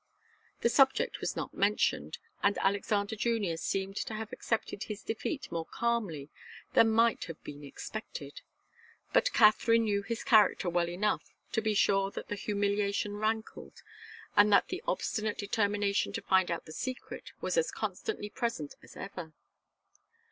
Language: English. The subject was not mentioned, and Alexander Junior seemed to have accepted his defeat more calmly than might have been expected; but Katharine knew his character well enough to be sure that the humiliation rankled, and that the obstinate determination to find out the secret was as constantly present as ever.